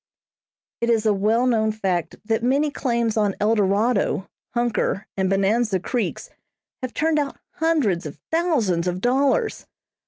It is a well known fact that many claims on Eldorado, Hunker and Bonanza Creeks have turned out hundreds of thousands of dollars.